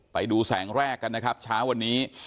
ไปดูแสงแรกกันนะครับเช้าวันนี้